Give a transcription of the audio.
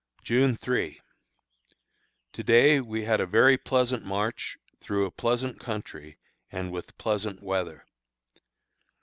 June 3. To day we had a very pleasant march through a pleasant country and with pleasant weather.